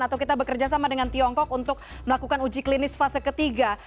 atau kita bekerja sama dengan tiongkok untuk melakukan uji klinis fase ketiga